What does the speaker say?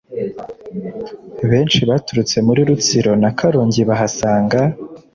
benshi baturutse muri Rutsiro na Karongi bahasanga